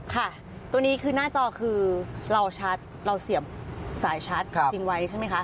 ค่ะตัวนี้หน้าจอคือเราเสียบสายชาร์จซิงไว้ใช่ไหมคะ